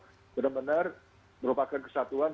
benar benar merupakan kesatuan